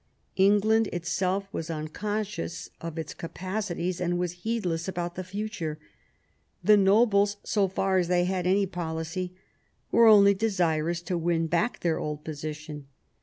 England itself was unconscious of its capacities, and was heedless about the future. The nobles, so far as they had any policy, were only desirous to win back their old position.